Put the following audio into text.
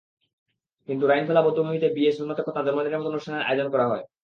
কিন্তু রাইনখোলা বধ্যভূমিতে বিয়ে, সুন্নতে খতনা, জন্মদিনের মতো অনুষ্ঠানের আয়োজন করা হয়।